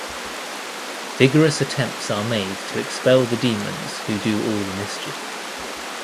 Vigorous attempts are made to expel the demons who do all the mischief.